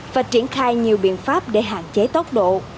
và triển khai nhiều biện pháp để hạn chế tốc độ